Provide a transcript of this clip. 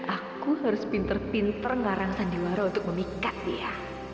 aku harus pinter pinter ngarang sandiwara untuk memikat dia